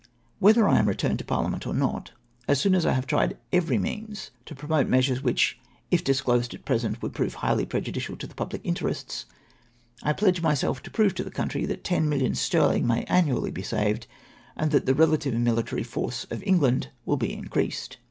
" Whether I am returned to Parliament or not, as soon as I shall have tried every means to promote measures which, LETTER TO MY COXSTITUENTS. 259 if disclosed at present, would prove higlily prejudicial to the public interests, I pledge myself to prove to the country, that ten millions sterling may annually be saved, and that the relative military force of England will be increased.